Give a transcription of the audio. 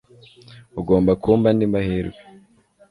ugomba kumpa andi mahirwe